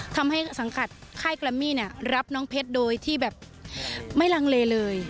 ทำให้สังกัดค่ายแกรมมี่รับน้องเพชรโดยที่แบบไม่ลังเลเลย